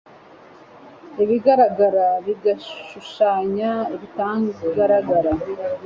ibigaragara bigashushanya ibitagaragara